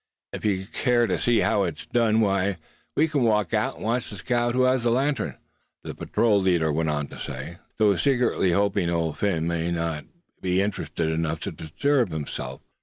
"If you'd care to see how it's done, why, we can walk out, and watch the scout who has the lantern?" the patrol leader went on to say; though secretly hoping Old Phin might not evince enough interest to disturb himself.